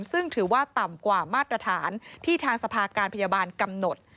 ซึ่งถือว่าต่ำกว่ามาตรฐานที่ทางสภาการพยาบาลกำหนด